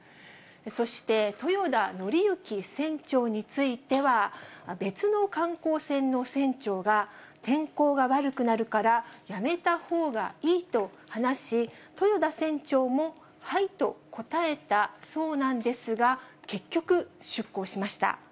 そして、豊田徳幸船長については、別の観光船の船長が、天候が悪くなるから、やめたほうがいいと話し、豊田船長もはいと答えたそうなんですが、結局、出航しました。